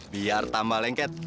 biar tambah lengket